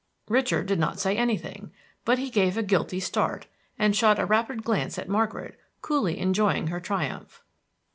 Richard did not say anything, but he gave a guilty start, and shot a rapid glance at Margaret coolly enjoying her triumph.